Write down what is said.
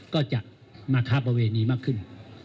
ก็จะมาค้าประเวณีมากขึ้น